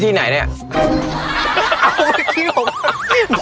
งานหย่ำเลยสิกรอบเด้ย